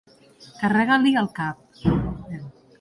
Carregar-li el cap.